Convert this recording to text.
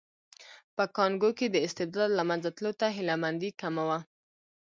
په کانګو کې د استبداد له منځه تلو ته هیله مندي کمه وه.